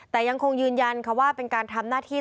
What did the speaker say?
แต่ยังคงยืนยันว่าเป็นการทำหน้าที่